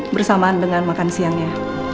bersamaan dengan makan siangnya